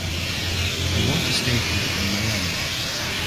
I want to stay here in Miami.